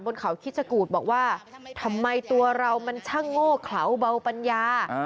บนเขาคิดชะกูดบอกว่าทำไมตัวเรามันช่างโง่เขลาเบาปัญญา